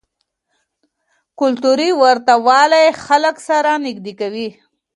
کلتوري ورته والی خلک سره نږدې کوي.